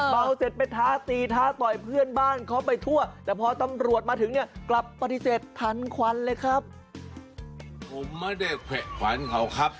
เบาเสร็จไปท้าตีท้าต่อยเพื่อนบ้านเขาไปทั่วแต่พอตำรวจมาถึงเนี่ยกลับปฏิเสธทันควันเลยครับผมไม่ได้แขวะ